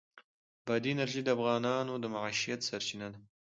بادي انرژي د افغانانو د معیشت سرچینه ده.